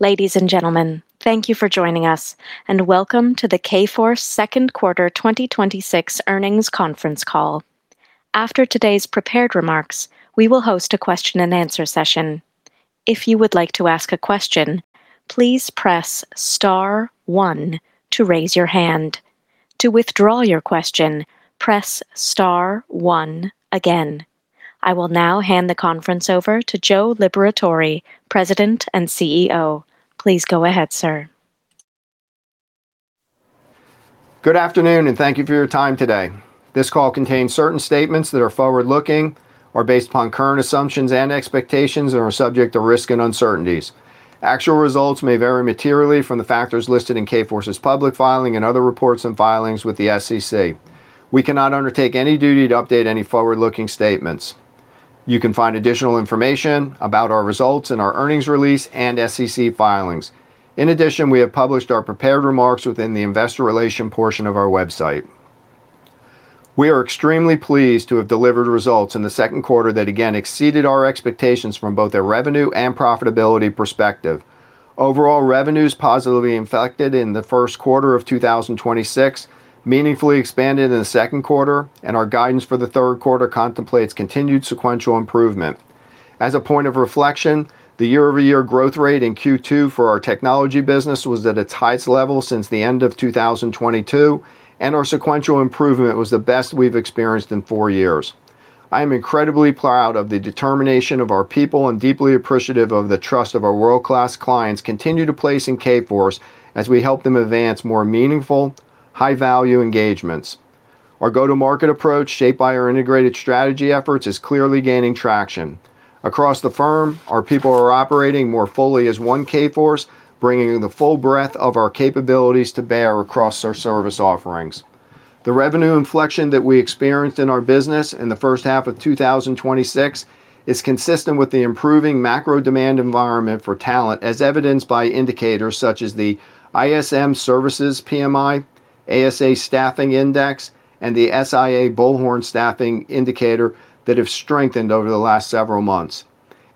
Ladies and gentlemen, thank you for joining us, and welcome to the Kforce Second Quarter 2026 Earnings Conference Call. After today's prepared remarks, we will host a Q&A session. If you would like to ask a question, please press star one to raise your hand. To withdraw your question, press star one again. I will now hand the conference over to Joe Liberatore, President and CEO. Please go ahead, sir. Good afternoon, and thank you for your time today. This call contains certain statements that are forward-looking, are based upon current assumptions and expectations, and are subject to risk and uncertainties. Actual results may vary materially from the factors listed in Kforce's public filing and other reports and filings with the SEC. We cannot undertake any duty to update any forward-looking statements. You can find additional information about our results in our earnings release and SEC filings. In addition, we have published our prepared remarks within the investor relations portion of our website. We are extremely pleased to have delivered results in the second quarter that again exceeded our expectations from both a revenue and profitability perspective. Overall revenues positively inflected in the first quarter of 2026, meaningfully expanded in the second quarter, and our guidance for the third quarter contemplates continued sequential improvement. As a point of reflection, the year-over-year growth rate in Q2 for our technology business was at its highest level since the end of 2022, and our sequential improvement was the best we've experienced in four years. I am incredibly proud of the determination of our people and deeply appreciative of the trust of our world-class clients continue to place in Kforce as we help them advance more meaningful, high-value engagements. Our go-to-market approach, shaped by our integrated strategy efforts, is clearly gaining traction. Across the firm, our people are operating more fully as one Kforce, bringing the full breadth of our capabilities to bear across our service offerings. The revenue inflection that we experienced in our business in the first half of 2026 is consistent with the improving macro demand environment for talent, as evidenced by indicators such as the ISM Services PMI, ASA Staffing Index, and the SIA | Bullhorn Staffing Indicator that have strengthened over the last several months.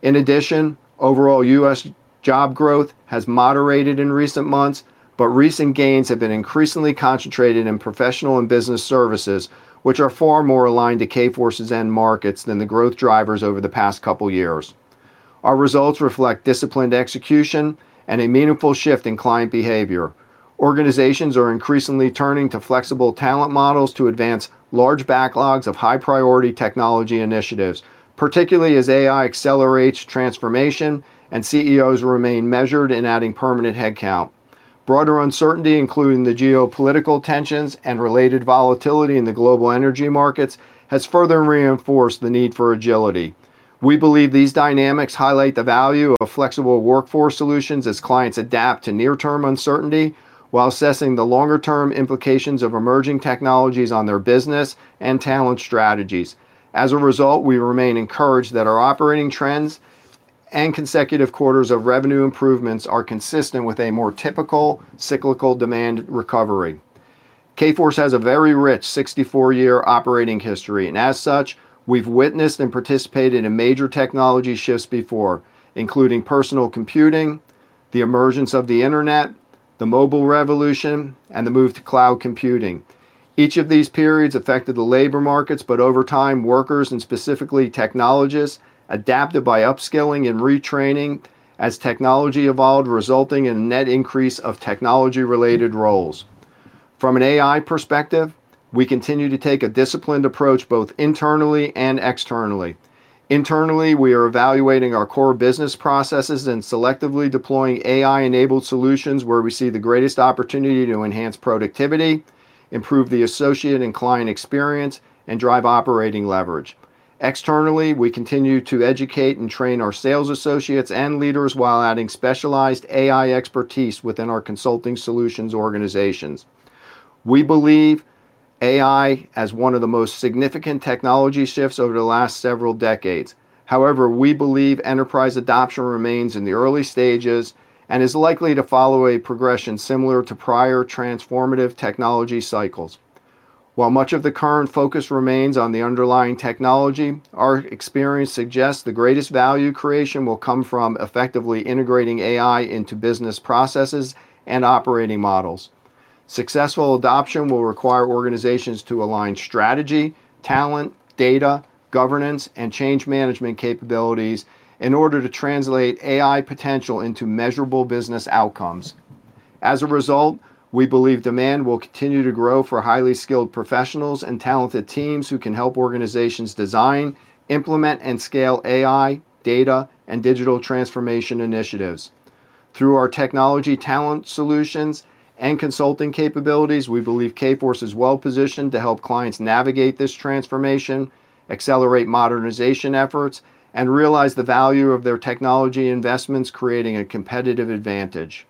In addition, overall U.S. job growth has moderated in recent months, but recent gains have been increasingly concentrated in professional and business services, which are far more aligned to Kforce's end markets than the growth drivers over the past couple of years. Our results reflect disciplined execution and a meaningful shift in client behavior. Organizations are increasingly turning to flexible talent models to advance large backlogs of high-priority technology initiatives, particularly as AI accelerates transformation and CEOs remain measured in adding permanent headcount. Broader uncertainty, including the geopolitical tensions and related volatility in the global energy markets, has further reinforced the need for agility. We believe these dynamics highlight the value of flexible workforce solutions as clients adapt to near-term uncertainty while assessing the longer-term implications of emerging technologies on their business and talent strategies. As a result, we remain encouraged that our operating trends and consecutive quarters of revenue improvements are consistent with a more typical cyclical demand recovery. Kforce has a very rich 64-year operating history, and as such, we've witnessed and participated in major technology shifts before, including personal computing, the emergence of the internet, the mobile revolution, and the move to cloud computing. Each of these periods affected the labor markets, but over time, workers, and specifically technologists, adapted by upskilling and retraining as technology evolved, resulting in a net increase of technology-related roles. From an AI perspective, we continue to take a disciplined approach both internally and externally. Internally, we are evaluating our core business processes and selectively deploying AI-enabled solutions where we see the greatest opportunity to enhance productivity, improve the associate and client experience, and drive operating leverage. Externally, we continue to educate and train our sales associates and leaders while adding specialized AI expertise within our consulting solutions organizations. We believe AI as one of the most significant technology shifts over the last several decades. However, we believe enterprise adoption remains in the early stages and is likely to follow a progression similar to prior transformative technology cycles. While much of the current focus remains on the underlying technology, our experience suggests the greatest value creation will come from effectively integrating AI into business processes and operating models. Successful adoption will require organizations to align strategy, talent, data, governance, and change management capabilities in order to translate AI potential into measurable business outcomes. As a result, we believe demand will continue to grow for highly skilled professionals and talented teams who can help organizations design, implement, and scale AI, data, and digital transformation initiatives. Through our technology talent solutions and consulting capabilities, we believe Kforce is well-positioned to help clients navigate this transformation, accelerate modernization efforts, and realize the value of their technology investments, creating a competitive advantage.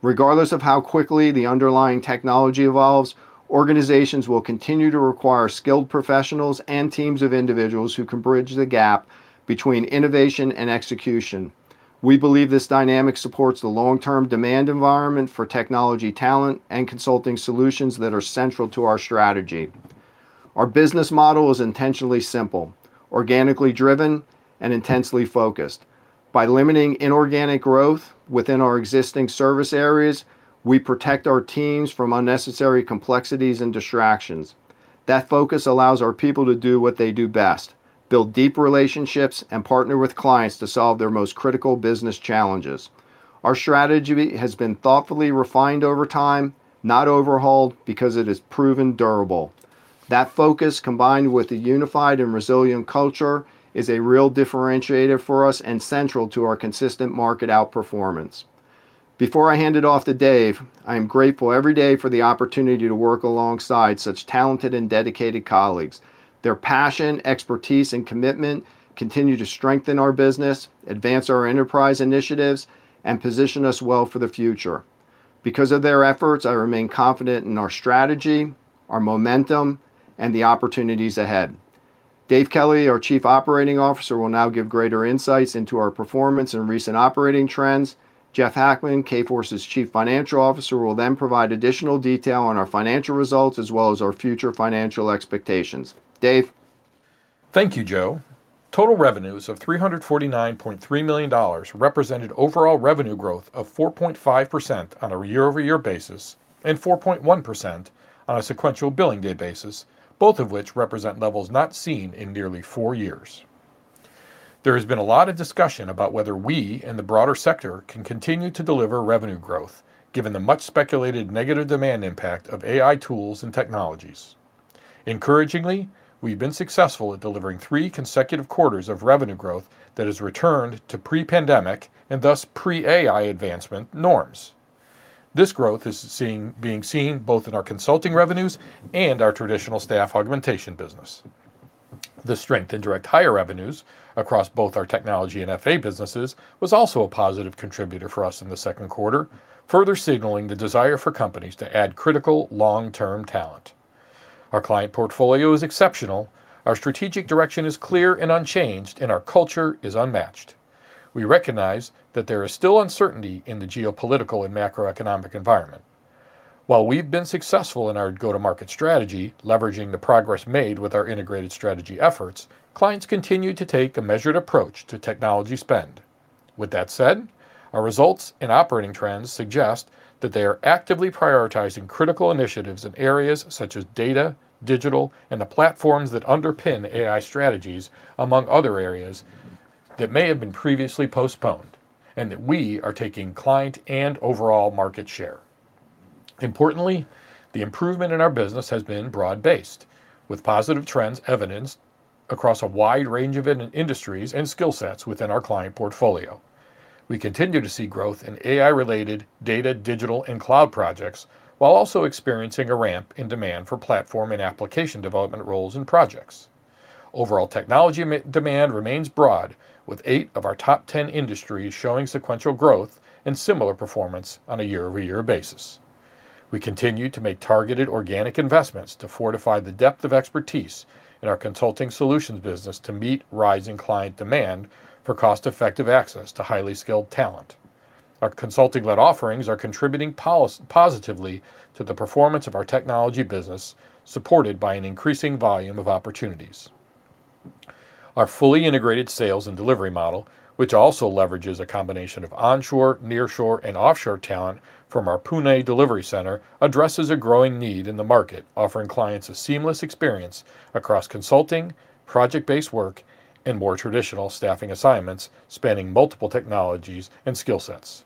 Regardless of how quickly the underlying technology evolves, organizations will continue to require skilled professionals and teams of individuals who can bridge the gap between innovation and execution. We believe this dynamic supports the long-term demand environment for technology talent and consulting solutions that are central to our strategy. Our business model is intentionally simple, organically driven, and intensely focused. By limiting inorganic growth within our existing service areas, we protect our teams from unnecessary complexities and distractions. That focus allows our people to do what they do best: build deep relationships and partner with clients to solve their most critical business challenges. Our strategy has been thoughtfully refined over time, not overhauled, because it is proven durable. That focus, combined with a unified and resilient culture, is a real differentiator for us and central to our consistent market outperformance. Before I hand it off to Dave, I am grateful every day for the opportunity to work alongside such talented and dedicated colleagues. Their passion, expertise, and commitment continue to strengthen our business, advance our enterprise initiatives, and position us well for the future. Because of their efforts, I remain confident in our strategy, our momentum, and the opportunities ahead. Dave Kelly, our Chief Operating Officer, will now give greater insights into our performance and recent operating trends. Jeff Hackman, Kforce's Chief Financial Officer, will provide additional detail on our financial results as well as our future financial expectations. Dave? Thank you, Joe. Total revenues of $349.3 million represented overall revenue growth of 4.5% on a year-over-year basis and 4.1% on a sequential billing day basis, both of which represent levels not seen in nearly four years. There has been a lot of discussion about whether we and the broader sector can continue to deliver revenue growth, given the much-speculated negative demand impact of AI tools and technologies. Encouragingly, we've been successful at delivering three consecutive quarters of revenue growth that has returned to pre-pandemic, and thus pre-AI advancement, norms. This growth is being seen both in our consulting revenues and our traditional staff augmentation business. The strength in direct hire revenues across both our technology and FA businesses was also a positive contributor for us in the second quarter, further signaling the desire for companies to add critical long-term talent. Our client portfolio is exceptional. Our strategic direction is clear and unchanged, and our culture is unmatched. We recognize that there is still uncertainty in the geopolitical and macroeconomic environment. While we've been successful in our go-to-market strategy, leveraging the progress made with our integrated strategy efforts, clients continue to take a measured approach to technology spend. With that said, our results and operating trends suggest that they are actively prioritizing critical initiatives in areas such as data, digital, and the platforms that underpin AI strategies, among other areas that may have been previously postponed, and that we are taking client and overall market share. Importantly, the improvement in our business has been broad-based, with positive trends evidenced across a wide range of industries and skill sets within our client portfolio. We continue to see growth in AI-related data, digital, and cloud projects, while also experiencing a ramp in demand for platform and application development roles and projects. Overall technology demand remains broad, with eight of our top 10 industries showing sequential growth and similar performance on a year-over-year basis. We continue to make targeted organic investments to fortify the depth of expertise in our Consulting Solutions business to meet rising client demand for cost-effective access to highly skilled talent. Our consulting-led offerings are contributing positively to the performance of our technology business, supported by an increasing volume of opportunities. Our fully integrated sales and delivery model, which also leverages a combination of onshore, nearshore, and offshore talent from our Pune delivery center, addresses a growing need in the market, offering clients a seamless experience across consulting, project-based work, and more traditional staffing assignments spanning multiple technologies and skill sets.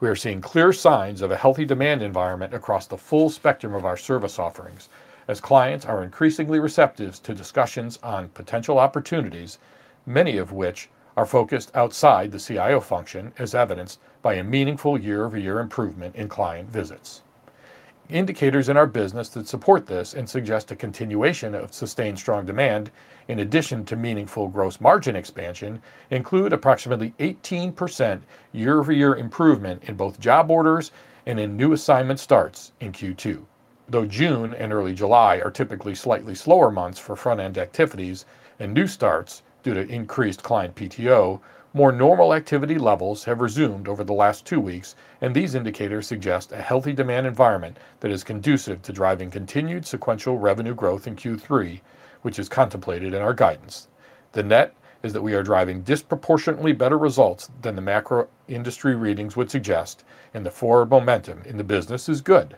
We are seeing clear signs of a healthy demand environment across the full spectrum of our service offerings, as clients are increasingly receptive to discussions on potential opportunities, many of which are focused outside the CIO function, as evidenced by a meaningful year-over-year improvement in client visits. Indicators in our business that support this and suggest a continuation of sustained strong demand, in addition to meaningful gross margin expansion, include approximately 18% year-over-year improvement in both job orders and in new assignment starts in Q2. Though June and early July are typically slightly slower months for front-end activities and new starts due to increased client PTO, more normal activity levels have resumed over the last two weeks, and these indicators suggest a healthy demand environment that is conducive to driving continued sequential revenue growth in Q3, which is contemplated in our guidance. The net is that we are driving disproportionately better results than the macro industry readings would suggest. The forward momentum in the business is good.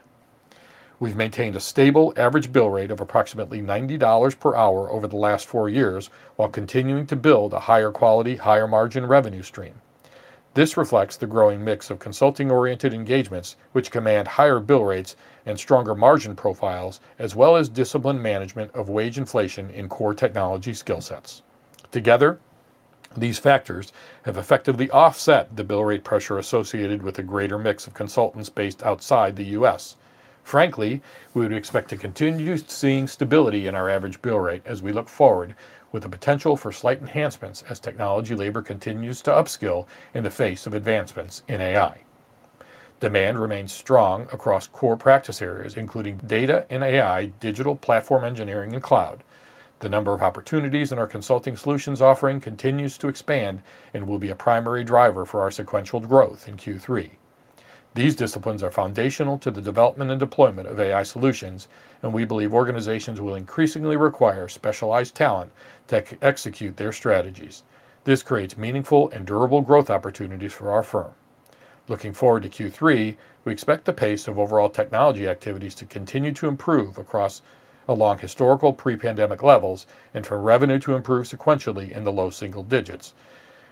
We've maintained a stable average bill rate of approximately $90 per hour over the last four years while continuing to build a higher quality, higher margin revenue stream. This reflects the growing mix of consulting-oriented engagements, which command higher bill rates and stronger margin profiles, as well as disciplined management of wage inflation in core technology skill sets. Together, these factors have effectively offset the bill rate pressure associated with a greater mix of consultants based outside the U.S. Frankly, we would expect to continue seeing stability in our average bill rate as we look forward, with the potential for slight enhancements as technology labor continues to upskill in the face of advancements in AI. Demand remains strong across core practice areas, including data and AI, digital platform engineering, and cloud. The number of opportunities in our Consulting Solutions offering continues to expand and will be a primary driver for our sequential growth in Q3. These disciplines are foundational to the development and deployment of AI solutions, and we believe organizations will increasingly require specialized talent to execute their strategies. This creates meaningful and durable growth opportunities for our firm. Looking forward to Q3, we expect the pace of overall technology activities to continue to improve across historical pre-pandemic levels and for revenue to improve sequentially in the low single digits,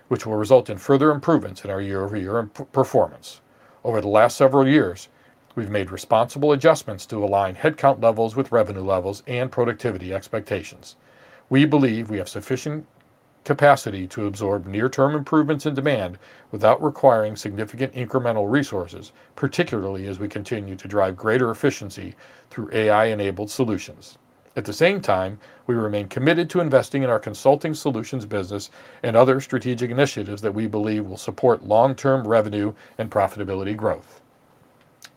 which will result in further improvements in our year-over-year performance. Over the last several years, we've made responsible adjustments to align headcount levels with revenue levels and productivity expectations. We believe we have sufficient capacity to absorb near-term improvements in demand without requiring significant incremental resources, particularly as we continue to drive greater efficiency through AI-enabled solutions. At the same time, we remain committed to investing in our Consulting Solutions business and other strategic initiatives that we believe will support long-term revenue and profitability growth.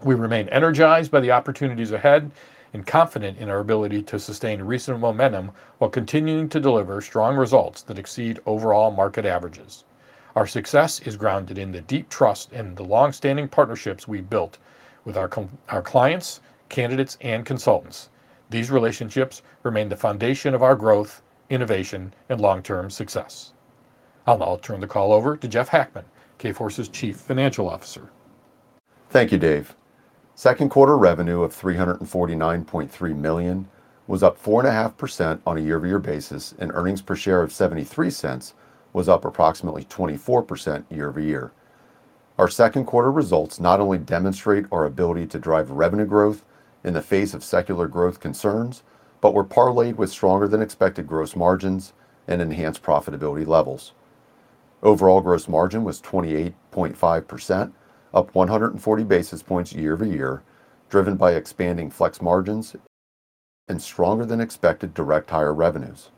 We remain energized by the opportunities ahead and confident in our ability to sustain recent momentum while continuing to deliver strong results that exceed overall market averages. Our success is grounded in the deep trust and the longstanding partnerships we've built with our clients, candidates, and consultants. These relationships remain the foundation of our growth, innovation, and long-term success. I'll now turn the call over to Jeff Hackman, Kforce's Chief Financial Officer. Thank you, Dave. Second quarter revenue of $349.3 million was up 4.5% on a year-over-year basis, and earnings per share of $0.73 was up approximately 24% year-over-year. Our second quarter results not only demonstrate our ability to drive revenue growth in the face of secular growth concerns, but were parlayed with stronger than expected gross margins and enhanced profitability levels. Overall gross margin was 28.5%, up 140 basis points year-over-year, driven by expanding flex margins and stronger than expected direct hire revenues.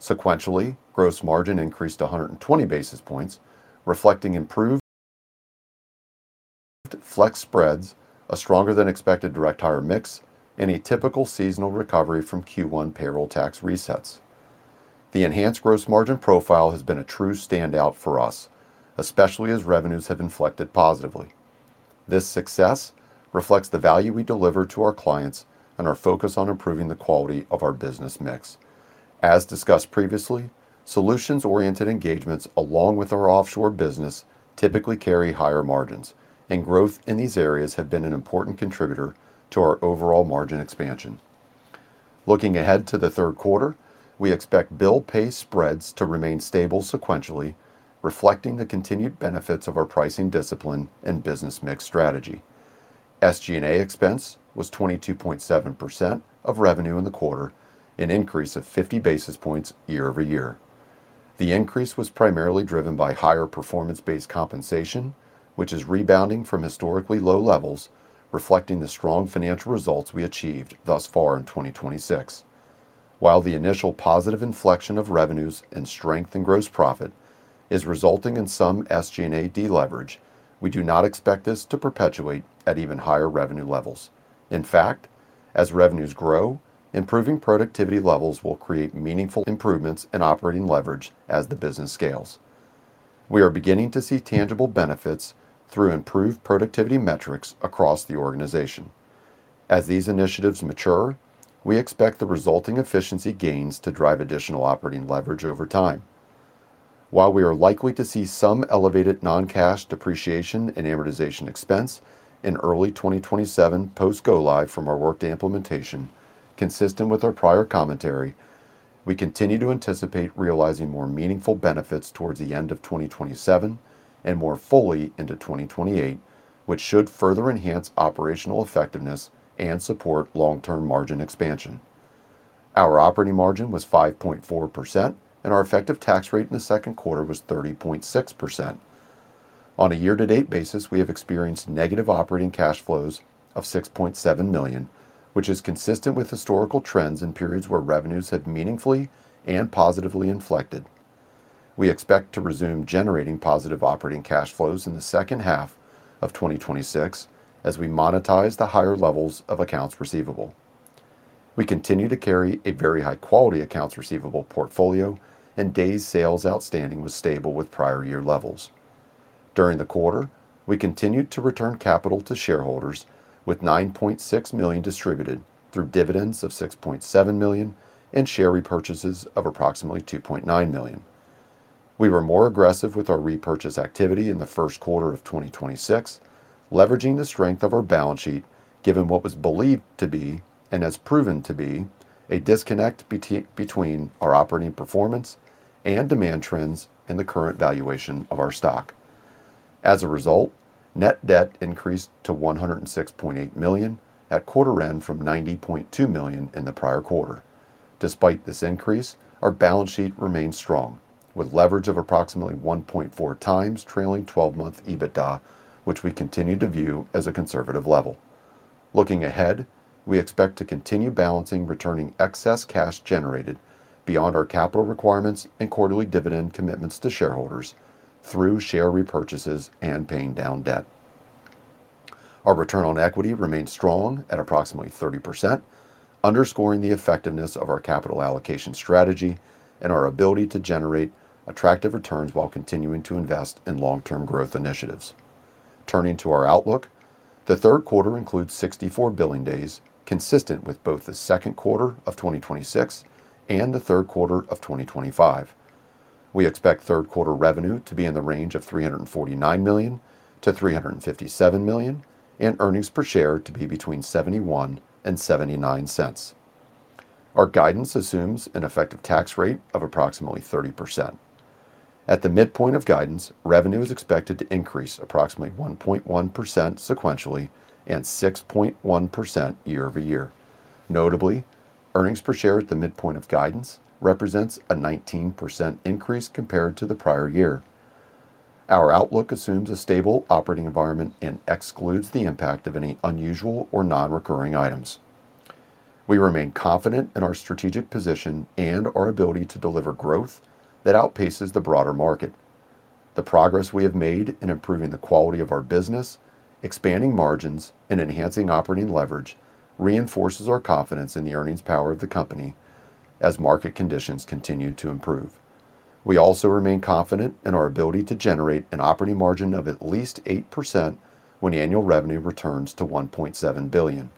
Sequentially, gross margin increased 120 basis points, reflecting improved flex spreads, a stronger than expected direct hire mix, and a typical seasonal recovery from Q1 payroll tax resets. The enhanced gross margin profile has been a true standout for us, especially as revenues have inflected positively. This success reflects the value we deliver to our clients and our focus on improving the quality of our business mix. As discussed previously, solutions-oriented engagements along with our offshore business typically carry higher margins, and growth in these areas have been an important contributor to our overall margin expansion. Looking ahead to the third quarter, we expect bill pace spreads to remain stable sequentially, reflecting the continued benefits of our pricing discipline and business mix strategy. SG&A expense was 22.7% of revenue in the quarter, an increase of 50 basis points year-over-year. The increase was primarily driven by higher performance-based compensation, which is rebounding from historically low levels, reflecting the strong financial results we achieved thus far in 2026. While the initial positive inflection of revenues and strength in gross profit is resulting in some SG&A deleverage, we do not expect this to perpetuate at even higher revenue levels. In fact, as revenues grow, improving productivity levels will create meaningful improvements in operating leverage as the business scales. We are beginning to see tangible benefits through improved productivity metrics across the organization. As these initiatives mature, we expect the resulting efficiency gains to drive additional operating leverage over time. While we are likely to see some elevated non-cash depreciation and amortization expense in early 2027 post go-live from our Workday implementation, consistent with our prior commentary, we continue to anticipate realizing more meaningful benefits towards the end of 2027 and more fully into 2028, which should further enhance operational effectiveness and support long-term margin expansion. Our operating margin was 5.4%, and our effective tax rate in the second quarter was 30.6%. On a year-to-date basis, we have experienced negative operating cash flows of $6.7 million, which is consistent with historical trends in periods where revenues have meaningfully and positively inflected. We expect to resume generating positive operating cash flows in the second half of 2026 as we monetize the higher levels of accounts receivable. We continue to carry a very high-quality accounts receivable portfolio, and days sales outstanding was stable with prior year levels. During the quarter, we continued to return capital to shareholders with $9.6 million distributed through dividends of $6.7 million and share repurchases of approximately $2.9 million. We were more aggressive with our repurchase activity in the first quarter of 2026, leveraging the strength of our balance sheet, given what was believed to be, and has proven to be, a disconnect between our operating performance and demand trends in the current valuation of our stock. As a result, net debt increased to $106.8 million at quarter end from $90.2 million in the prior quarter. Despite this increase, our balance sheet remains strong, with leverage of approximately 1.4x trailing 12-month EBITDA, which we continue to view as a conservative level. Looking ahead, we expect to continue balancing returning excess cash generated beyond our capital requirements and quarterly dividend commitments to shareholders through share repurchases and paying down debt. Our return on equity remains strong at approximately 30%, underscoring the effectiveness of our capital allocations strategy and our ability to generate attractive returns while continuing to invest in long-term growth initiatives. Turning to our outlook, the third quarter includes 64 billing days, consistent with both the second quarter of 2026 and the third quarter of 2025. We expect third quarter revenue to be in the range of $349 million-$357 million, and earnings per share to be between $0.71 and $0.79. Our guidance assumes an effective tax rate of approximately 30%. At the midpoint of guidance, revenue is expected to increase approximately 1.1% sequentially and 6.1% year-over-year. Notably, earnings per share at the midpoint of guidance represents a 19% increase compared to the prior year. Our outlook assumes a stable operating environment and excludes the impact of any unusual or non-recurring items. We remain confident in our strategic position and our ability to deliver growth that outpaces the broader market. The progress we have made in improving the quality of our business, expanding margins, and enhancing operating leverage reinforces our confidence in the earnings power of the company as market conditions continue to improve. We also remain confident in our ability to generate an operating margin of at least 8% when annual revenue returns to $1.7 billion.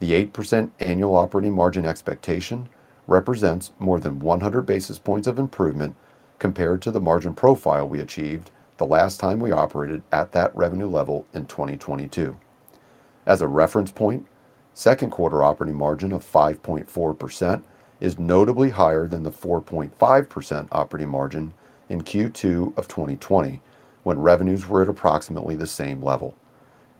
The 8% annual operating margin expectation represents more than 100 basis points of improvement compared to the margin profile we achieved the last time we operated at that revenue level in 2022. As a reference point, second quarter operating margin of 5.4% is notably higher than the 4.5% operating margin in Q2 of 2020, when revenues were at approximately the same level.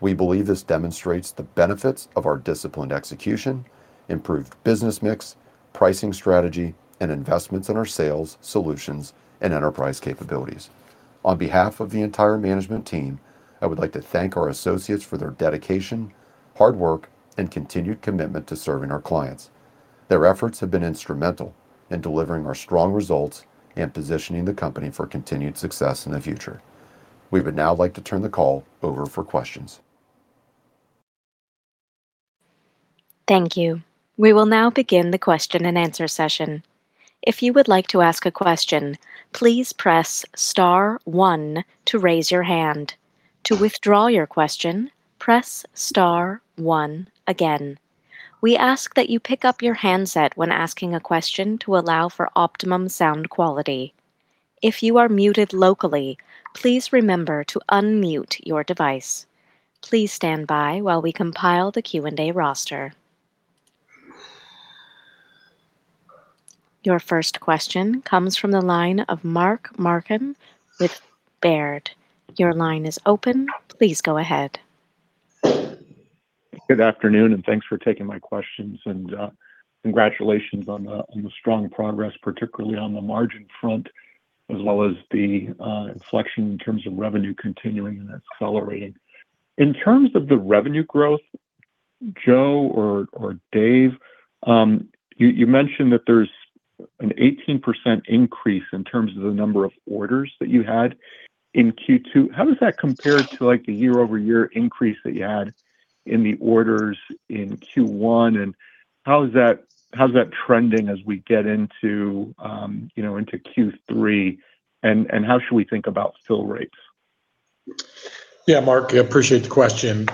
We believe this demonstrates the benefits of our disciplined execution, improved business mix, pricing strategy, and investments in our sales, solutions, and enterprise capabilities. On behalf of the entire management team, I would like to thank our associates for their dedication, hard work, and continued commitment to serving our clients. Their efforts have been instrumental in delivering our strong results and positioning the company for continued success in the future. We would now like to turn the call over for questions. Thank you. We will now begin the Q&A session. If you would like to ask a question, please press star one to raise your hand. To withdraw your question, press star one again. We ask that you pick up your handset when asking a question to allow for optimum sound quality. If you are muted locally, please remember to unmute your device. Please stand by while we compile the Q&A roster. Your first question comes from the line of Mark Marcon with Baird. Your line is open. Please go ahead. Good afternoon, and thanks for taking my questions, and congratulations on the strong progress, particularly on the margin front, as well as the inflection in terms of revenue continuing and accelerating. In terms of the revenue growth, Joe or Dave, you mentioned that there's an 18% increase in terms of the number of orders that you had in Q2. How does that compare to the year-over-year increase that you had in the orders in Q1, and how's that trending as we get into Q3, and how should we think about fill rates? Mark, appreciate the question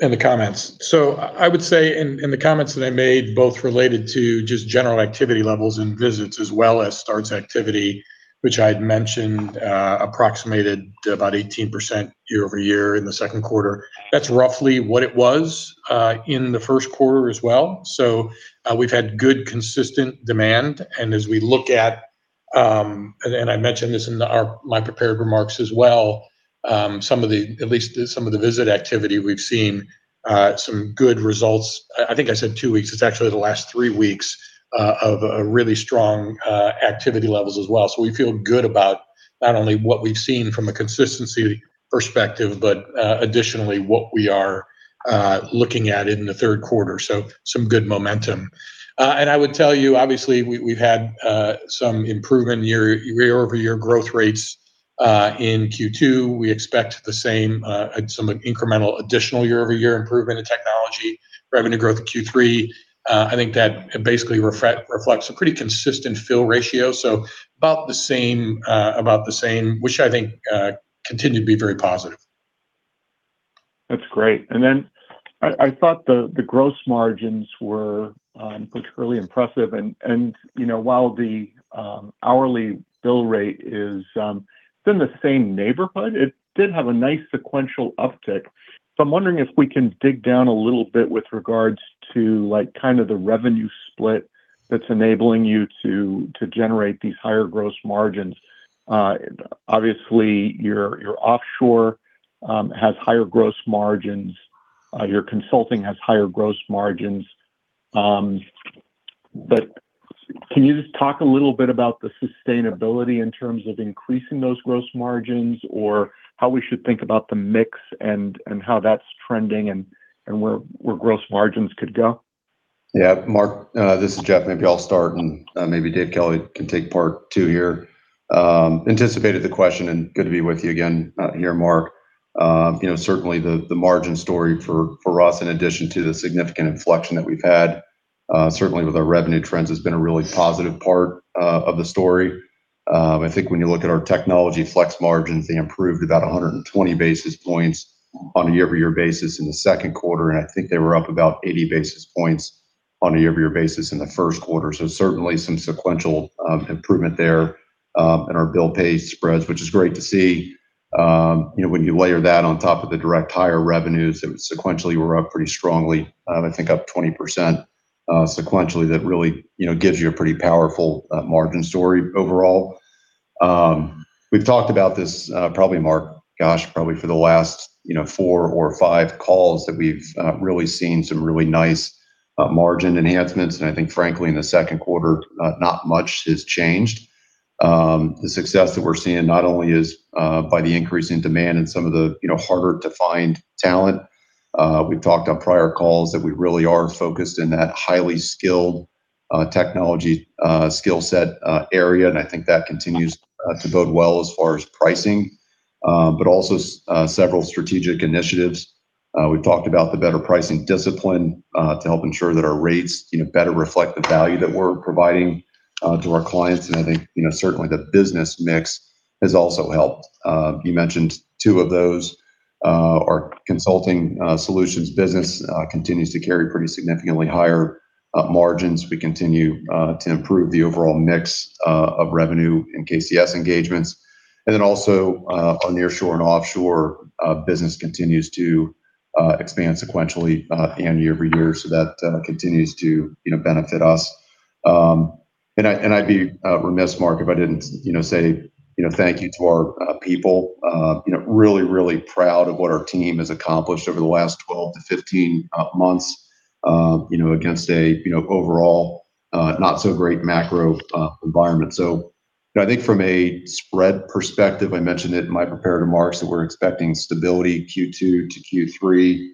and the comments. I would say in the comments that I made, both related to just general activity levels and visits, as well as starts activity, which I had mentioned approximated about 18% year-over-year in the second quarter. That's roughly what it was in the first quarter as well. We've had good, consistent demand, and as we look at, I mentioned this in my prepared remarks as well, at least some of the visit activity, we've seen some good results. I think I said two weeks. It's actually the last three weeks of really strong activity levels as well. We feel good about not only what we've seen from a consistency perspective, but additionally, what we are looking at in the third quarter. Some good momentum. I would tell you, obviously, we've had some improvement in year-over-year growth rates in Q2. We expect the same, some incremental additional year-over-year improvement in technology, revenue growth in Q3. I think that basically reflects a pretty consistent fill ratio. About the same, which I think continue to be very positive. That's great. I thought the gross margins were particularly impressive, and while the hourly bill rate is in the same neighborhood, it did have a nice sequential uptick. I'm wondering if we can dig down a little bit with regards to the revenue split that's enabling you to generate these higher gross margins. Obviously, your offshore has higher gross margins, your consulting has higher gross margins, but can you just talk a little bit about the sustainability in terms of increasing those gross margins, or how we should think about the mix and how that's trending and where gross margins could go? Yeah, Mark. This is Jeff. Maybe I'll start, and maybe Dave Kelly can take part too here. Anticipated the question, good to be with you again here, Mark. The margin story for us, in addition to the significant inflection that we've had, certainly with our revenue trends, has been a really positive part of the story. When you look at our technology flex margins, they improved about 120 basis points on a year-over-year basis in the second quarter, and they were up about 80 basis points on a year-over-year basis in the first quarter. Some sequential improvement there in our bill pay spreads, which is great to see. When you layer that on top of the direct hire revenues, sequentially we're up pretty strongly. Up 20% sequentially, that really gives you a pretty powerful margin story overall. We've talked about this probably, Mark, gosh, probably for the last four or five calls, that we've really seen some really nice margin enhancements. Frankly, in the second quarter, not much has changed. The success that we're seeing not only is by the increase in demand and some of the harder-to-find talent. We've talked on prior calls that we really are focused in that highly skilled technology skill set area, that continues to bode well as far as pricing. Also several strategic initiatives. We've talked about the better pricing discipline to help ensure that our rates better reflect the value that we're providing to our clients, certainly the business mix has also helped. You mentioned two of those. Our Consulting Solutions business continues to carry pretty significantly higher margins. We continue to improve the overall mix of revenue in KCS engagements. Also our nearshore and offshore business continues to expand sequentially and year-over-year, that continues to benefit us. I'd be remiss, Mark, if I didn't say thank you to our people. Really proud of what our team has accomplished over the last 12-15 months against an overall not so great macro environment. From a spread perspective, I mentioned it in my prepared remarks, that we're expecting stability Q2 to Q3.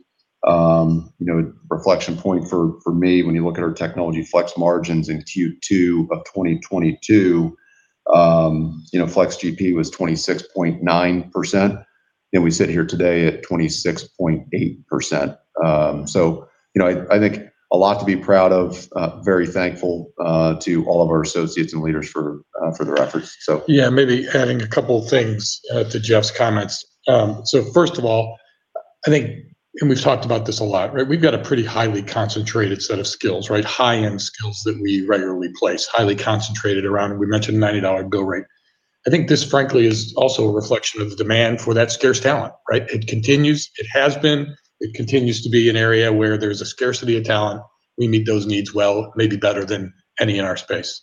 A reflection point for me, when you look at our technology flex margins in Q2 of 2022, flex GP was 26.9%, and we sit here today at 26.8%. A lot to be proud of. Very thankful to all of our associates and leaders for their efforts. Maybe adding a couple things to Jeff's comments. First of all, I think, we've talked about this a lot. We've got a pretty highly concentrated set of skills. High-end skills that we regularly place, highly concentrated around, we mentioned $90 bill rate. I think this frankly is also a reflection of the demand for that scarce talent. It continues, it has been, it continues to be an area where there's a scarcity of talent. We meet those needs well, maybe better than any in our space.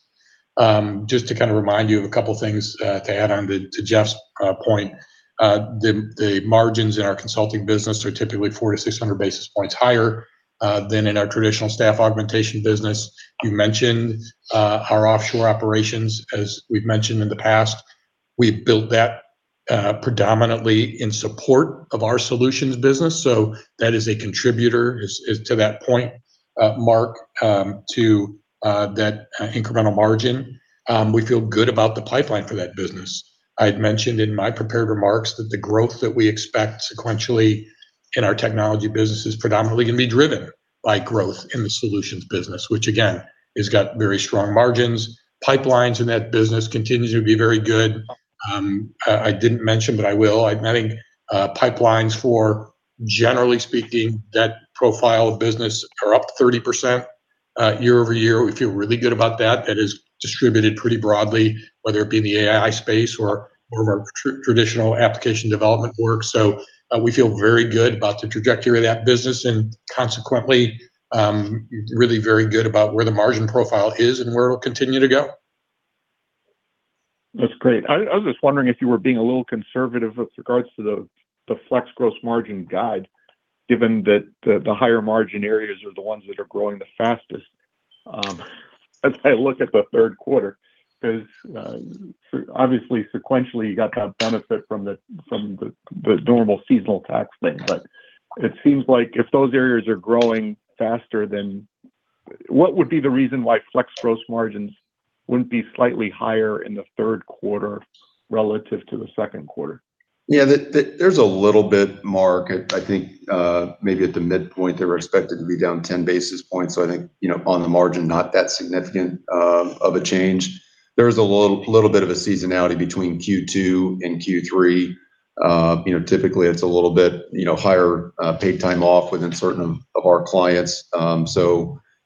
Just to kind of remind you of a couple of things to add on to Jeff's point. The margins in our consulting business are typically 400-600 basis points higher than in our traditional staff augmentation business. You mentioned our offshore operations, as we've mentioned in the past. We've built that predominantly in support of our solutions business, that is a contributor to that point, Mark, to that incremental margin. We feel good about the pipeline for that business. I had mentioned in my prepared remarks that the growth that we expect sequentially in our technology business is predominantly going to be driven by growth in the solutions business, which again, has got very strong margins. Pipelines in that business continues to be very good. I didn't mention, I will. I'm adding pipelines for, generally speaking, that profile of business are up 30% year-over-year. We feel really good about that. That is distributed pretty broadly, whether it be in the AI space or our traditional application development work. We feel very good about the trajectory of that business and consequently, really very good about where the margin profile is and where it'll continue to go. That's great. I was just wondering if you were being a little conservative with regards to the flex gross margin guide, given that the higher margin areas are the ones that are growing the fastest. As I look at the third quarter, because obviously sequentially, you got that benefit from the normal seasonal tax thing. It seems like if those areas are growing faster, what would be the reason why flex gross margins wouldn't be slightly higher in the third quarter relative to the second quarter? There's a little bit, Mark. I think maybe at the midpoint, they were expected to be down 10 basis points. I think on the margin, not that significant of a change. There is a little bit of a seasonality between Q2 and Q3. Typically, it's a little bit higher paid time off within certain of our clients.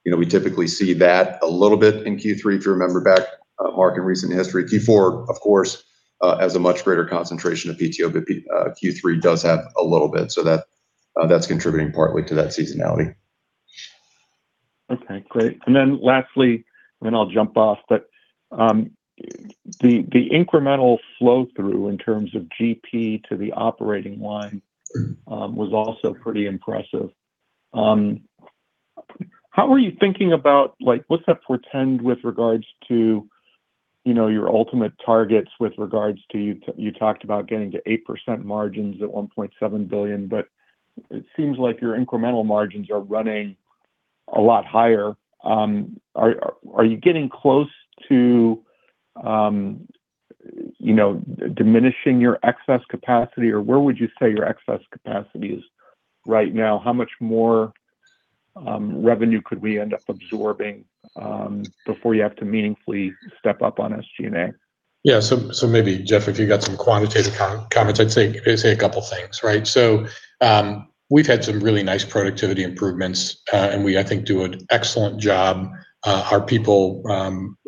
We typically see that a little bit in Q3, if you remember back, Mark, in recent history. Q4, of course, has a much greater concentration of PTO, Q3 does have a little bit, that's contributing partly to that seasonality. Okay, great. Lastly, the incremental flow-through in terms of GP to the operating line was also pretty impressive. What's that portend with regards to your ultimate targets? You talked about getting to 8% margins at $1.7 billion, but it seems like your incremental margins are running a lot higher. Are you getting close to diminishing your excess capacity, or where would you say your excess capacity is right now? How much more revenue could we end up absorbing before you have to meaningfully step up on SG&A? Yeah. Maybe, Jeff, if you've got some quantitative comments. I'd say a couple things, right? We've had some really nice productivity improvements, and we, I think, do an excellent job. Our people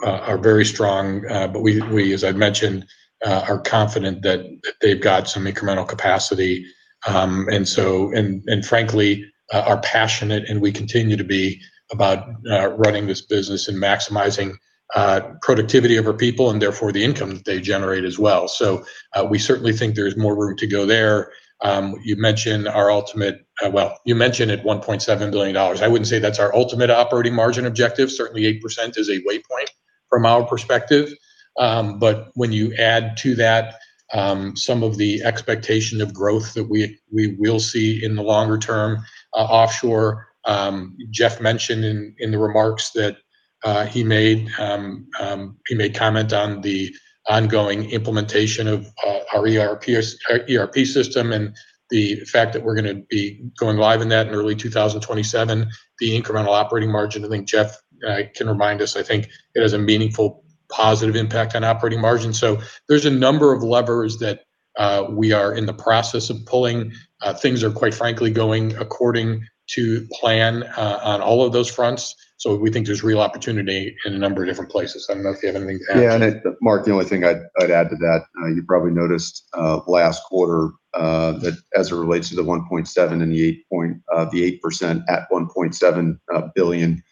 are very strong, but we, as I mentioned, are confident that they've got some incremental capacity. Frankly, are passionate, and we continue to be about running this business and maximizing productivity of our people and therefore the income that they generate as well. We certainly think there's more room to go there. Well, you mentioned at $1.7 billion. I wouldn't say that's our ultimate operating margin objective. Certainly 8% is a way point from our perspective. When you add to that, some of the expectation of growth that we will see in the longer term offshore, Jeff mentioned in the remarks that he made, he made comment on the ongoing implementation of our ERP system and the fact that we're going to be going live in that in early 2027. The incremental operating margin, I think Jeff can remind us, it has a meaningful, positive impact on operating margin. There's a number of levers that we are in the process of pulling. Things are, quite frankly, going according to plan on all of those fronts. We think there's real opportunity in a number of different places. I don't know if you have anything to add to that. Yeah. Mark, the only thing I'd add to that, you probably noticed last quarter that as it relates to the $1.7 and the 8% at $1.7 billion,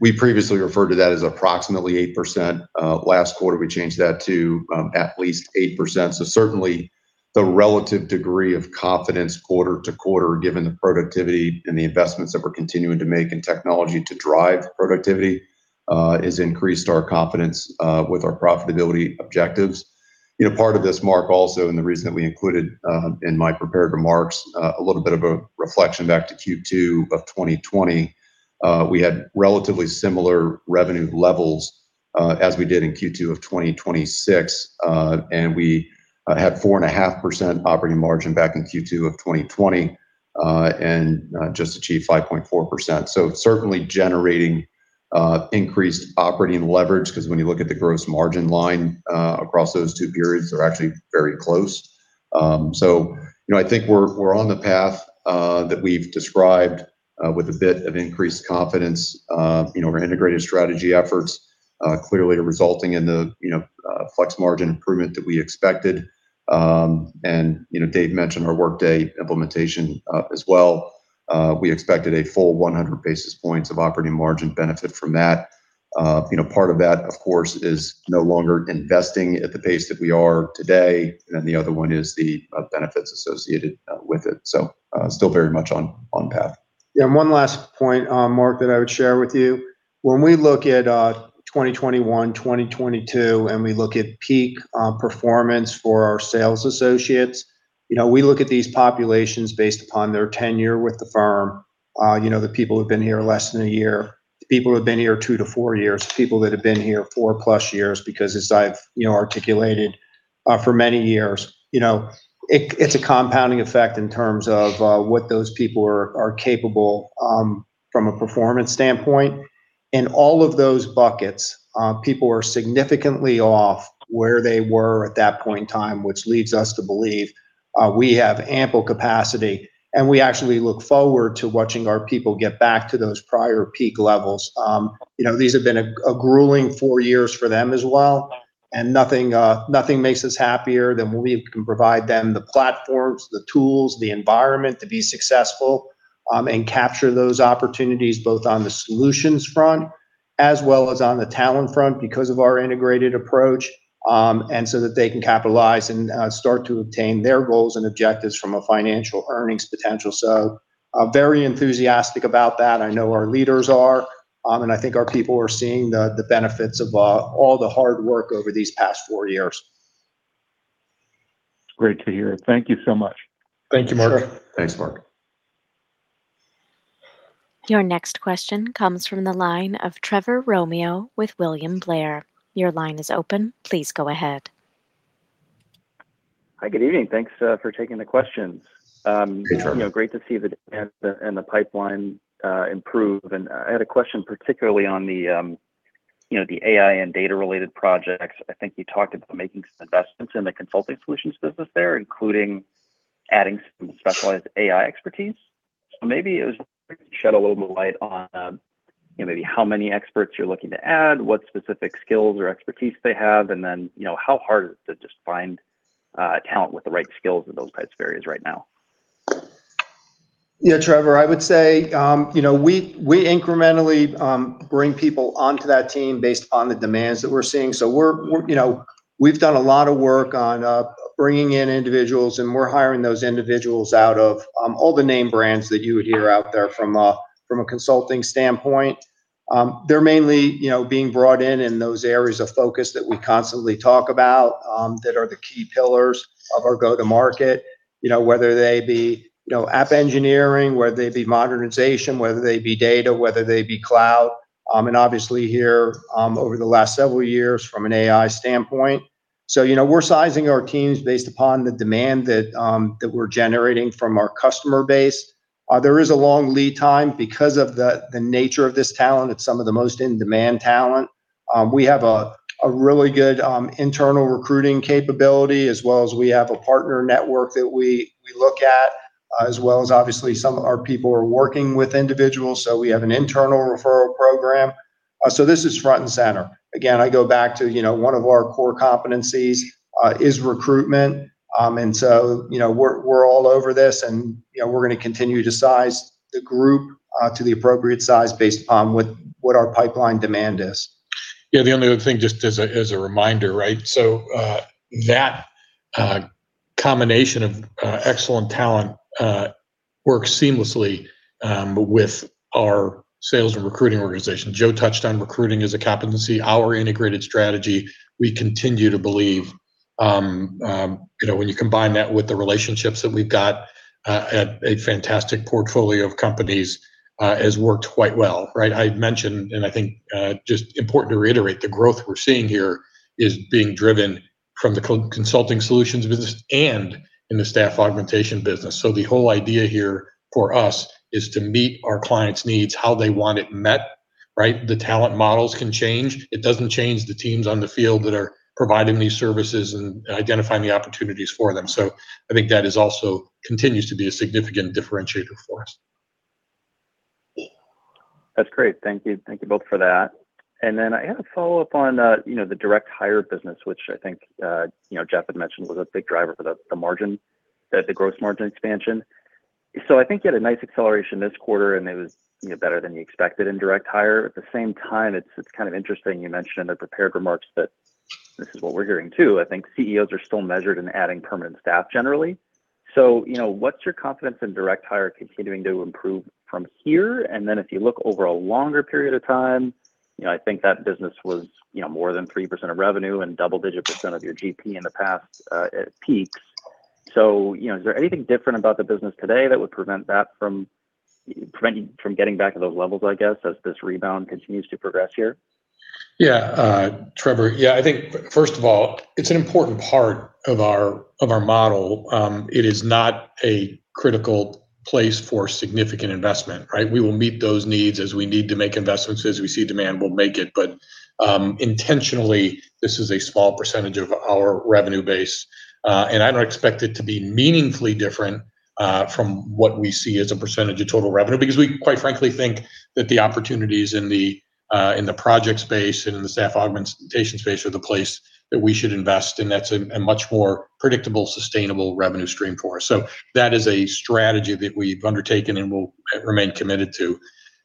we previously referred to that as approximately 8%. Last quarter, we changed that to at least 8%. Certainly the relative degree of confidence quarter to quarter, given the productivity and the investments that we're continuing to make in technology to drive productivity, has increased our confidence with our profitability objectives. Part of this, Mark, also, the reason that we included in my prepared remarks, a little bit of a reflection back to Q2 of 2020. We had relatively similar revenue levels, as we did in Q2 of 2026. We had 4.5% operating margin back in Q2 of 2020, and just achieved 5.4%. Certainly generating increased operating leverage because when you look at the gross margin line across those two periods, they're actually very close. I think we're on the path that we've described with a bit of increased confidence. Our integrated strategy efforts clearly are resulting in the flex margin improvement that we expected. Dave mentioned our Workday implementation as well. We expected a full 100 basis points of operating margin benefit from that. Part of that, of course, is no longer investing at the pace that we are today, and then the other one is the benefits associated with it. Still very much on path. Yeah. One last point, Mark, that I would share with you. When we look at 2021, 2022, and we look at peak performance for our sales associates, we look at these populations based upon their tenure with the firm. The people who've been here less than a year, the people who have been here two to four years, the people that have been here four plus years, because as I've articulated for many years, it's a compounding effect in terms of what those people are capable from a performance standpoint. In all of those buckets, people are significantly off where they were at that point in time, which leads us to believe we have ample capacity, and we actually look forward to watching our people get back to those prior peak levels. These have been a grueling four years for them as well, and nothing makes us happier than when we can provide them the platforms, the tools, the environment to be successful, and capture those opportunities, both on the solutions front as well as on the talent front because of our integrated approach, and so that they can capitalize and start to obtain their goals and objectives from a financial earnings potential. I'm very enthusiastic about that. I know our leaders are, and I think our people are seeing the benefits of all the hard work over these past four years. It's great to hear. Thank you so much. Thank you, Mark. Sure. Thanks, Mark. Your next question comes from the line of Trevor Romeo with William Blair. Your line is open. Please go ahead. Hi, good evening. Thanks for taking the questions. Sure. Great to see the demand and the pipeline improve. I had a question particularly on the AI and data-related projects. I think you talked about making some investments in the Consulting Solutions business there, including adding some specialized AI expertise. Maybe if you could shed a little more light on maybe how many experts you're looking to add, what specific skills or expertise they have, and then how hard is it to just find talent with the right skills in those types of areas right now? Yeah, Trevor, I would say, we incrementally bring people onto that team based on the demands that we're seeing. We've done a lot of work on bringing in individuals, we're hiring those individuals out of all the name brands that you would hear out there from a consulting standpoint. They're mainly being brought in those areas of focus that we constantly talk about, that are the key pillars of our go-to-market, whether they be app engineering, whether they be modernization, whether they be data, whether they be cloud, obviously here, over the last several years from an AI standpoint. We're sizing our teams based upon the demand that we're generating from our customer base. There is a long lead time because of the nature of this talent. It's some of the most in-demand talent. We have a really good internal recruiting capability, as well as we have a partner network that we look at, as well as obviously some of our people are working with individuals, we have an internal referral program. This is front and center. Again, I go back to one of our core competencies is recruitment. We're all over this, we're going to continue to size the group to the appropriate size based upon what our pipeline demand is. Yeah. The only other thing, just as a reminder. That combination of excellent talent works seamlessly with our sales and recruiting organization. Joe touched on recruiting as a competency. Our integrated strategy, we continue to believe, when you combine that with the relationships that we've got, a fantastic portfolio of companies, has worked quite well. I mentioned, and I think just important to reiterate, the growth we're seeing here is being driven from the consulting solutions business and in the staff augmentation business. The whole idea here for us is to meet our clients' needs how they want it met. The talent models can change. It doesn't change the teams on the field that are providing these services and identifying the opportunities for them. I think that also continues to be a significant differentiator for us. That's great. Thank you both for that. I had a follow-up on the direct hire business, which I think Jeff had mentioned was a big driver for the gross margin expansion. I think you had a nice acceleration this quarter, and it was better than you expected in direct hire. At the same time, it's kind of interesting, you mentioned in the prepared remarks that this is what we're hearing, too. I think CEOs are still measured in adding permanent staff generally. What's your confidence in direct hire continuing to improve from here? And then if you look over a longer period of time, I think that business was more than 3% of revenue and double-digit percent of your GP in the past at peaks. Is there anything different about the business today that would prevent you from getting back to those levels, I guess, as this rebound continues to progress here? Yeah. Trevor, I think first of all, it's an important part of our model. It is not a critical place for significant investment. We will meet those needs as we need to make investments. As we see demand, we'll make it, but intentionally, this is a small percentage of our revenue base. I don't expect it to be meaningfully different from what we see as a percentage of total revenue, because we quite frankly think that the opportunities in the project space and in the staff augmentation space are the place that we should invest, and that's a much more predictable, sustainable revenue stream for us. That is a strategy that we've undertaken and will remain committed to.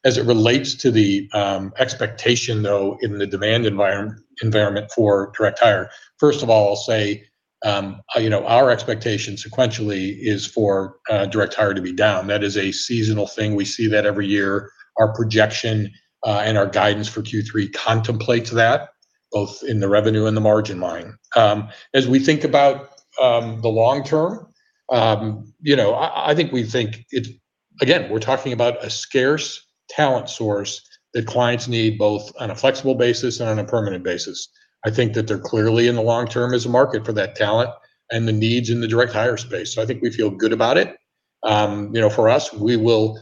As it relates to the expectation, though, in the demand environment for direct hire, first of all, I'll say, our expectation sequentially is for direct hire to be down. That is a seasonal thing. We see that every year. Our projection and our guidance for Q3 contemplates that, both in the revenue and the margin line. As we think about the long term, again, we're talking about a scarce talent source that clients need both on a flexible basis and on a permanent basis. I think that there clearly in the long term is a market for that talent and the needs in the direct hire space. I think we feel good about it. For us, we will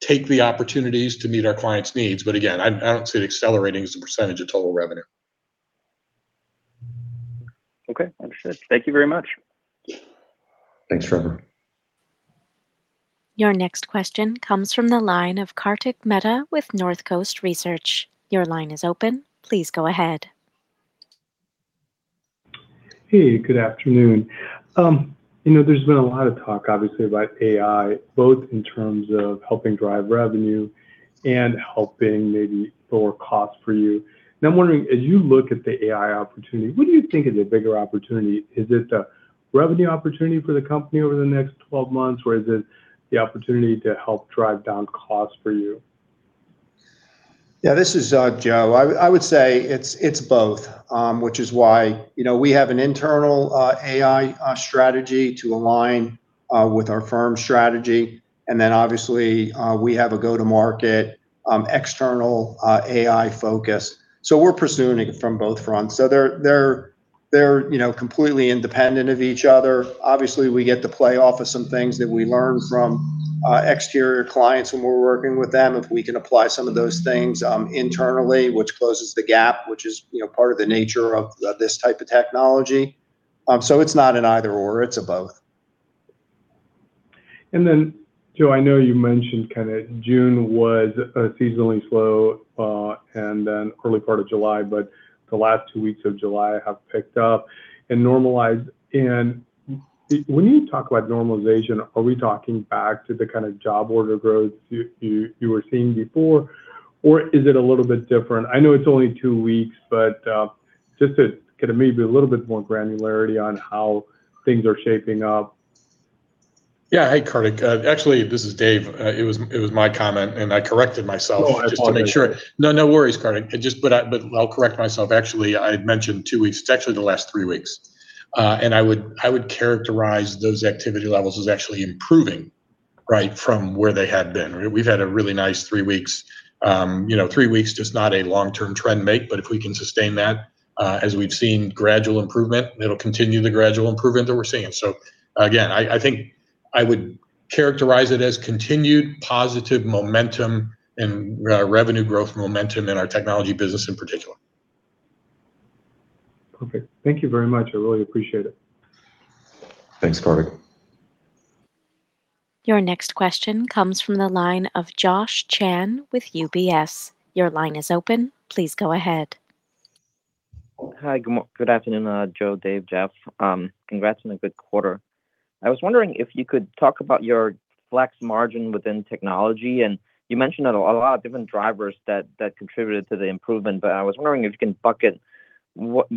take the opportunities to meet our clients' needs, again, I don't see it accelerating as a percentage of total revenue. Okay. Understood. Thank you very much. Thanks, Trevor. Your next question comes from the line of Kartik Mehta with North Coast Research. Your line is open. Please go ahead. Hey, good afternoon. There's been a lot of talk, obviously, about AI, both in terms of helping drive revenue and helping maybe lower costs for you. I'm wondering, as you look at the AI opportunity, what do you think is a bigger opportunity? Is it a revenue opportunity for the company over the next 12 months, or is it the opportunity to help drive down costs for you? Yeah, this is Joe. I would say it's both. Which is why we have an internal AI strategy to align with our firm strategy, obviously, we have a go-to-market, external AI focus. We're pursuing it from both fronts. They're completely independent of each other. Obviously, we get to play off of some things that we learn from exterior clients when we're working with them, if we can apply some of those things internally, which closes the gap, which is part of the nature of this type of technology. It's not an either/or, it's a both. Joe, I know you mentioned June was seasonally slow, early part of July, the last two weeks of July have picked up and normalized. When you talk about normalization, are we talking back to the kind of job order growth you were seeing before, or is it a little bit different? I know it's only two weeks, just to get maybe a little bit more granularity on how things are shaping up. Yeah. Hey, Kartik. Actually, this is Dave. It was my comment, and I corrected myself. Oh, I just want to make sure. No worries, Kartik. I'll correct myself. Actually, I'd mentioned two weeks, it's actually the last three weeks. I would characterize those activity levels as actually improving from where they had been. We've had a really nice three weeks. Three weeks, just not a long-term trend make, but if we can sustain that, as we've seen gradual improvement, it'll continue the gradual improvement that we're seeing. Again, I think I would characterize it as continued positive momentum and revenue growth momentum in our technology business in particular. Perfect. Thank you very much. I really appreciate it. Thanks, Kartik. Your next question comes from the line of Josh Chan with UBS. Your line is open. Please go ahead. Hi. Good afternoon, Joe, Dave, Jeff. Congrats on a good quarter. I was wondering if you could talk about your flex margin within technology, and you mentioned that a lot of different drivers that contributed to the improvement. I was wondering if you can bucket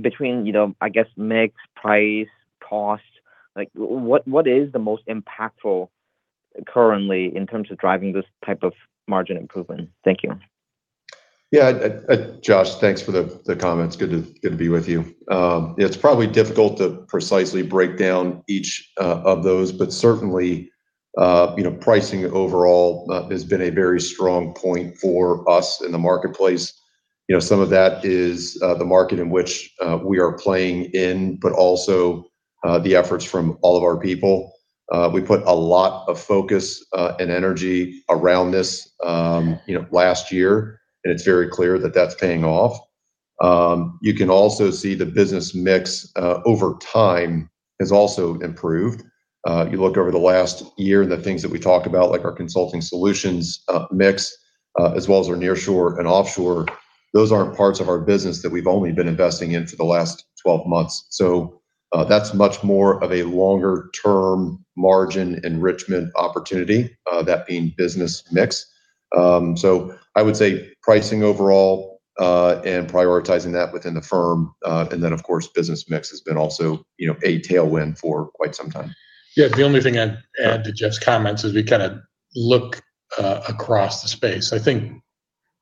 between, I guess, mix, price, cost. What is the most impactful currently in terms of driving this type of margin improvement? Thank you. Yeah. Josh, thanks for the comments. Good to be with you. It's probably difficult to precisely break down each of those, but certainly pricing overall has been a very strong point for us in the marketplace. Some of that is the market in which we are playing in, but also the efforts from all of our people. We put a lot of focus and energy around this last year, and it's very clear that that's paying off. You can also see the business mix over time has also improved. You look over the last year and the things that we talked about, like our Consulting Solutions mix, as well as our nearshore and offshore, those aren't parts of our business that we've only been investing in for the last 12 months. That's much more of a longer-term margin enrichment opportunity, that being business mix. I would say pricing overall, and prioritizing that within the firm, and then of course, business mix has been also a tailwind for quite some time. Yeah. The only thing I'd add to Jeff's comments as we look across the space, I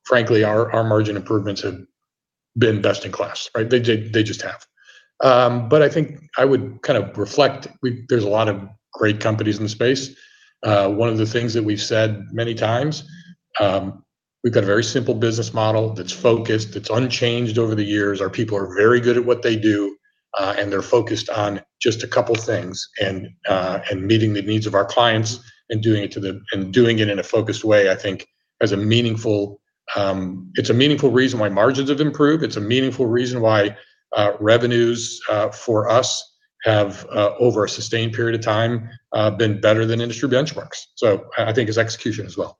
think frankly, our margin improvements have been best in class. They just have. I think I would reflect, there's a lot of great companies in the space. One of the things that we've said many times, we've got a very simple business model that's focused, that's unchanged over the years. Our people are very good at what they do, and they're focused on just a couple things and meeting the needs of our clients and doing it in a focused way, I think it's a meaningful reason why margins have improved. It's a meaningful reason why revenues for us have, over a sustained period of time, been better than industry benchmarks. I think it's execution as well.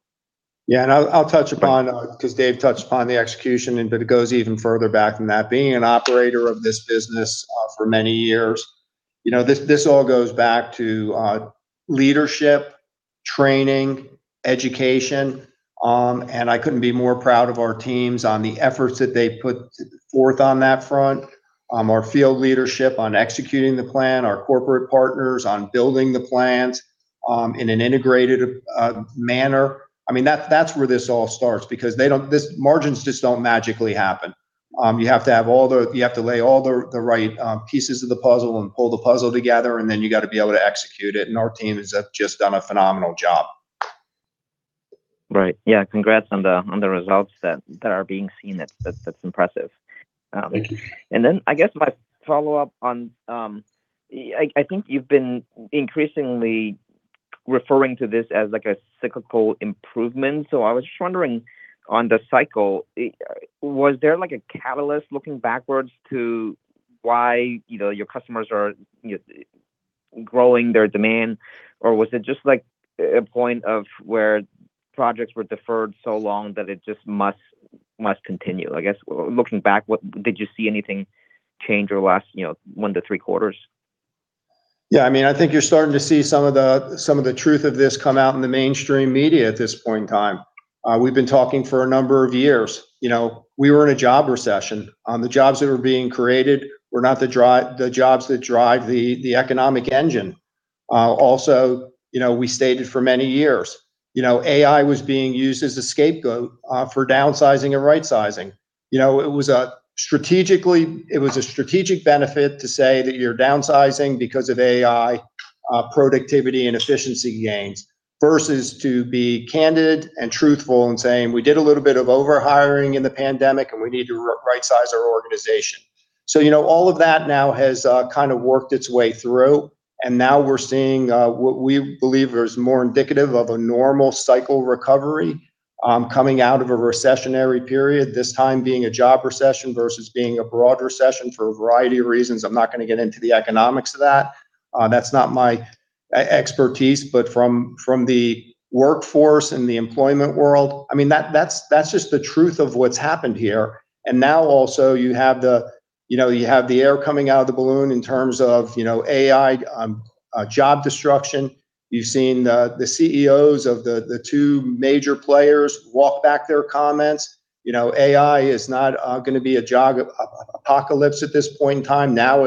Yeah, I'll touch upon, because Dave touched upon the execution. It goes even further back than that. Being an operator of this business for many years, this all goes back to leadership, training, education. I couldn't be more proud of our teams on the efforts that they put forth on that front. Our field leadership on executing the plan, our corporate partners on building the plans in an integrated manner. That's where this all starts because margins just don't magically happen. You have to lay all the right pieces of the puzzle and pull the puzzle together. Then you got to be able to execute it, and our team has just done a phenomenal job. Right. Yeah. Congrats on the results that are being seen. That's impressive. Thank you. I guess my follow-up on I think you've been increasingly referring to this as a cyclical improvement. I was just wondering on the cycle, was there a catalyst looking backwards to why your customers are growing their demand, or was it just a point of where projects were deferred so long that it just must continue? Looking back, did you see anything change over the last one to three quarters? Yeah, I think you're starting to see some of the truth of this come out in the mainstream media at this point in time. We've been talking for a number of years. We were in a job recession. The jobs that are being created were not the jobs that drive the economic engine. Also, we stated for many years AI was being used as a scapegoat for downsizing and rightsizing. It was a strategic benefit to say that you're downsizing because of AI productivity and efficiency gains. Versus to be candid and truthful and saying, "We did a little bit of over-hiring in the pandemic and we need to rightsize our organization." All of that now has worked its way through, and now we're seeing what we believe is more indicative of a normal cycle recovery, coming out of a recessionary period, this time being a job recession versus being a broad recession for a variety of reasons. I'm not going to get into the economics of that. That's not my expertise, but from the workforce and the employment world, that's just the truth of what's happened here. Now also you have the air coming out of the balloon in terms of AI job destruction. You've seen the CEOs of the two major players walk back their comments. AI is not going to be a Job Apocalypse at this point in time. Now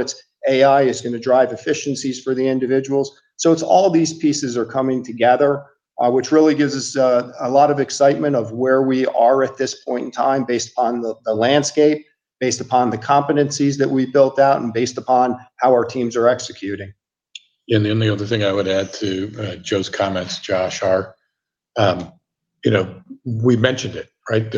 AI is going to drive efficiencies for the individuals. It's all these pieces are coming together, which really gives us a lot of excitement of where we are at this point in time based upon the landscape, based upon the competencies that we've built out, and based upon how our teams are executing. The other thing I would add to Joe's comments, Josh, are we mentioned it, right?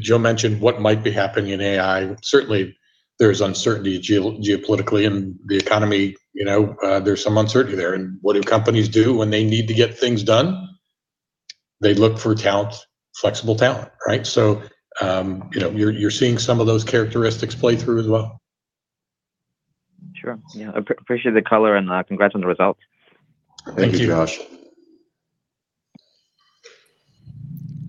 Joe mentioned what might be happening in AI. Certainly, there's uncertainty geopolitically in the economy. There's some uncertainty there. What do companies do when they need to get things done? They look for talent, flexible talent, right? You're seeing some of those characteristics play through as well. Sure. Yeah. Appreciate the color and congrats on the results. Thank you. Thank you, Josh.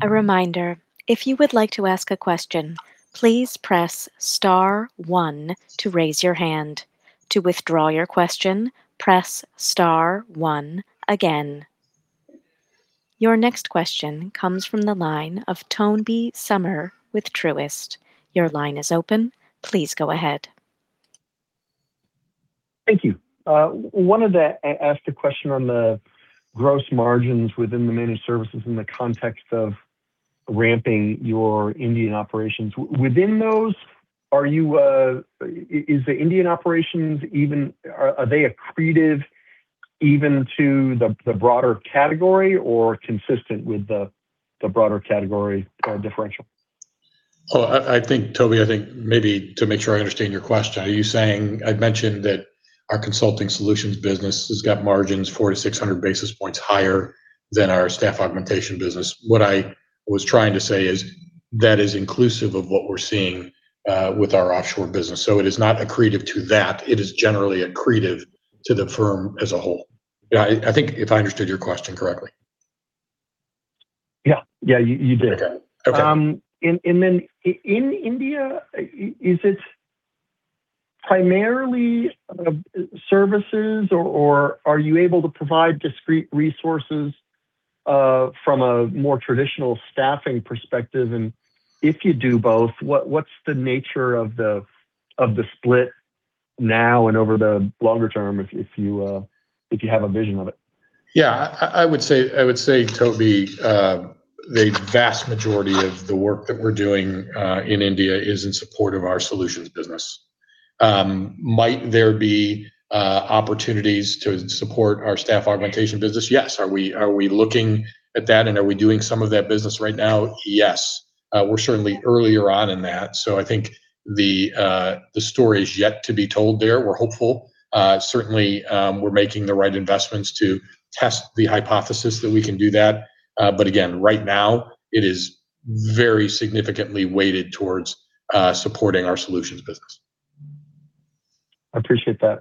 A reminder, if you would like to ask a question, please press star one to raise your hand. To withdraw your question, press star one again. Your next question comes from the line of Tobey Sommer with Truist. Your line is open. Please go ahead. Thank you. Wanted to ask a question on the gross margins within the managed services in the context of ramping your Indian operations. Within those, is the Indian operations, are they accretive even to the broader category or consistent with the broader category differential? Tobey, I think maybe to make sure I understand your question, are you saying I'd mentioned that our Consulting Solutions business has got margins 400-600 basis points higher than our staff augmentation business. What I was trying to say is that is inclusive of what we're seeing with our offshore business. It is not accretive to that, it is generally accretive to the firm as a whole. I think if I understood your question correctly. Yeah. You did. Okay. Is it primarily services, or are you able to provide discrete resources from a more traditional staffing perspective? If you do both, what's the nature of the split now and over the longer term if you have a vision of it? I would say, Tobey, the vast majority of the work that we're doing in India is in support of our solutions business. Might there be opportunities to support our staff augmentation business? Yes. Are we looking at that and are we doing some of that business right now? Yes. We're certainly earlier on in that. I think the story is yet to be told there. We're hopeful. Certainly, we're making the right investments to test the hypothesis that we can do that. Again, right now, it is very significantly weighted towards supporting our solutions business. I appreciate that.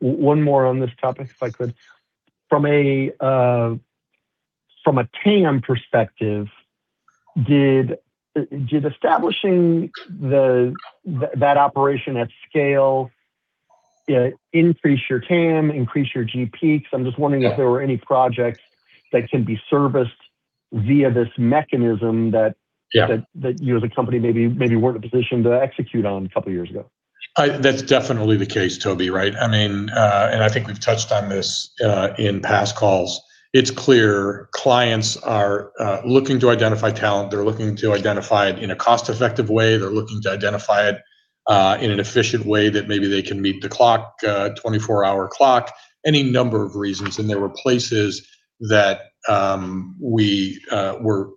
One more on this topic, if I could. From a TAM perspective, did establishing that operation at scale increase your TAM, increase your GP? I'm just wondering- Yeah. if there were any projects that can be serviced via this mechanism that- Yeah. you as a company maybe weren't in a position to execute on a couple of years ago. That's definitely the case, Tobey, right? I think we've touched on this in past calls. It's clear clients are looking to identify talent. They're looking to identify it in a cost-effective way. They're looking to identify it in an efficient way that maybe they can meet the clock, 24-hour clock, any number of reasons. There were places that we were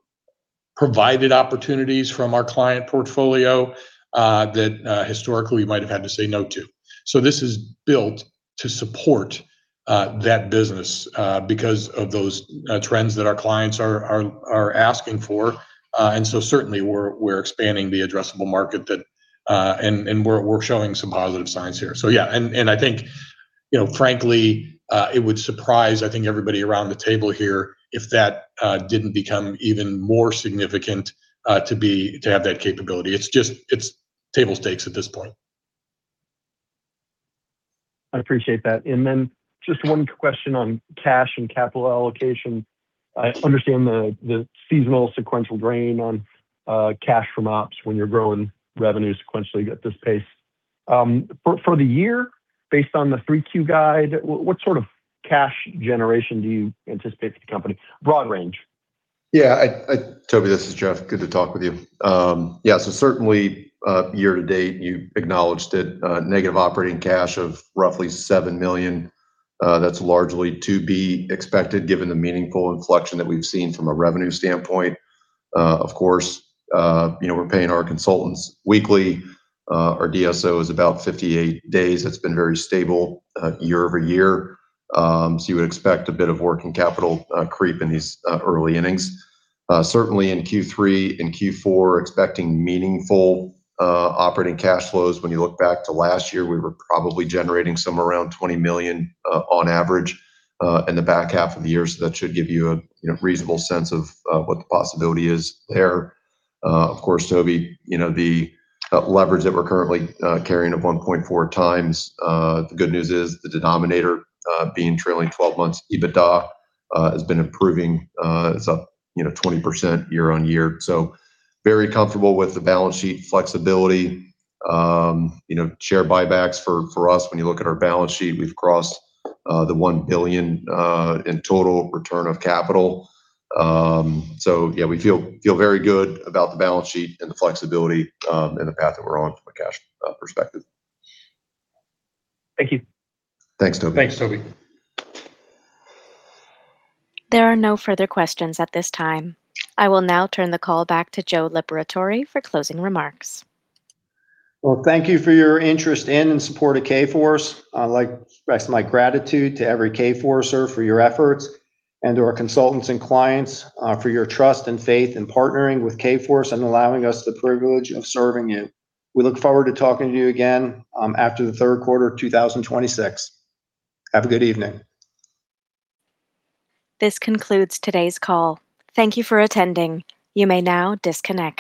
provided opportunities from our client portfolio, that historically we might have had to say no to. This is built to support that business, because of those trends that our clients are asking for. Certainly we're expanding the addressable market, and we're showing some positive signs here. Yeah. I think frankly, it would surprise, I think everybody around the table here if that didn't become even more significant to have that capability. It's table stakes at this point. I appreciate that. Then just one question on cash and capital allocation. I understand the seasonal sequential drain on cash from ops when you're growing revenue sequentially at this pace. For the year, based on the 3Q guide, what sort of cash generation do you anticipate for the company? Broad range. Yeah. Tobey, this is Jeff. Good to talk with you. Yeah. Certainly, year to date, you acknowledged it, negative operating cash of roughly $7 million. That's largely to be expected given the meaningful inflection that we've seen from a revenue standpoint. Of course, we're paying our consultants weekly. Our DSO is about 58 days. It's been very stable year-over-year. You would expect a bit of working capital creep in these early innings. Certainly in Q3 and Q4, expecting meaningful operating cash flows. When you look back to last year, we were probably generating somewhere around $20 million on average in the back half of the year. That should give you a reasonable sense of what the possibility is there. Of course, Tobey, the leverage that we're currently carrying of 1.4x, the good news is the denominator being trailing 12 months EBITDA has been improving. It's up 20% year-over-year. Very comfortable with the balance sheet flexibility. Share buybacks for us, when you look at our balance sheet, we've crossed the $1 billion in total return of capital. Yeah, we feel very good about the balance sheet and the flexibility, and the path that we're on from a cash perspective. Thank you. Thanks, Tobey. Thanks, Tobey. There are no further questions at this time. I will now turn the call back to Joe Liberatore for closing remarks. Well, thank you for your interest in and support of Kforce. I'd like to express my gratitude to every Kforcer for your efforts and to our consultants and clients for your trust and faith in partnering with Kforce and allowing us the privilege of serving you. We look forward to talking to you again after the third quarter of 2026. Have a good evening. This concludes today's call. Thank you for attending. You may now disconnect.